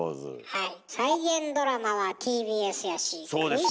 はい。